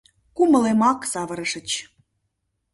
Кумылемак савырышыч...